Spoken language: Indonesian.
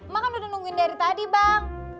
makan udah nungguin dari tadi bang